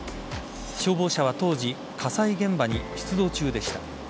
消防車は当時火災現場に出動中でした。